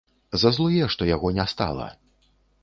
Зазлуе, што яго не стала.